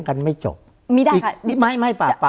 คุณลำซีมัน